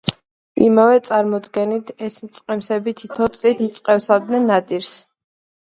იმავე წარმოდგენით, ეს მწყემსები თითო წლით მწყემსავდნენ ნადირს.